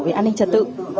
về an ninh trật tự